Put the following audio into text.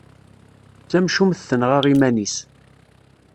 D tamcumt tenɣa iman-is.